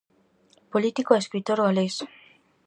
Político e escritor galés.